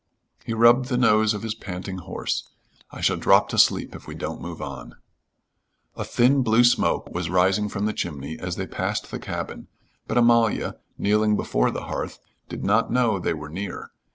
He rubbed the nose of his panting horse. "I shall drop to sleep if we don't move on." A thin blue smoke was rising from the chimney as they passed the cabin, but Amalia, kneeling before the hearth, did not know they were near.